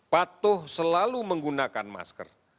patuh selalu menggunakan masker